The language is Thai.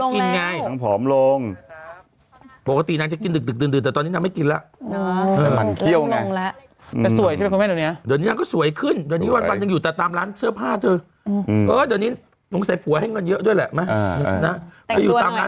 ดังนี้นาไม่เพิงแล้วเพ้อสวยนะพักก่อนสุดหน้ากลับมา